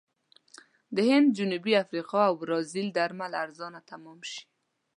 د هند، جنوبي افریقې او برازیل درمل ارزانه تمام شي.